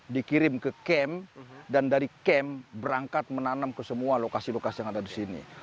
dikirim ke kem dan dari kem berangkat menanam ke semua lokasi lokasi yang ada di sini